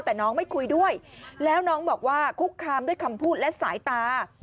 แต่น้องไม่คุยด้วยแล้วน้องบอกว่าคุกคามด้วยคำพูดและสายตา